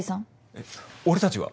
えっ俺たちは？